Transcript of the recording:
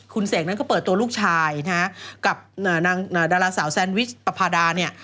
คุณเสกนั้นก็เปิดตัวลูกชายนะฮะกับนางดาราสาวแซนวิชประพาดาเนี่ย